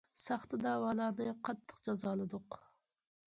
ساختا دەۋالارنى قاتتىق جازالىدۇق.